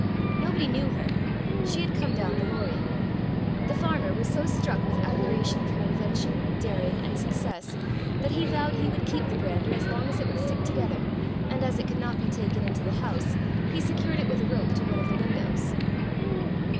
Nobody knew her. She had come down the Lorrie. The farmer was so struck with admiration of her invention, daring, and success, that he vowed he would keep the brander as long as it would stick together; and as it could not be taken into the house, he secured it with a rope to one of the windows.